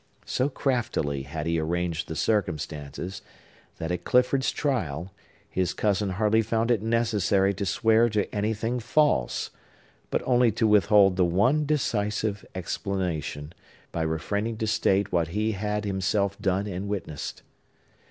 So craftily had he arranged the circumstances, that, at Clifford's trial, his cousin hardly found it necessary to swear to anything false, but only to withhold the one decisive explanation, by refraining to state what he had himself done and witnessed.